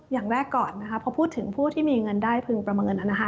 อย่างแรกก่อนนะคะพอพูดถึงผู้ที่มีเงินได้พึงประเมิน